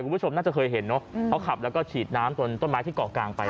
คุณผู้ชมน่าจะเคยเห็นเนอะเขาขับแล้วก็ฉีดน้ำจนต้นไม้ที่เกาะกลางไป